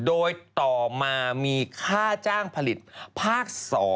โดยต่อมามีค่าจ้างผลิตภาค๒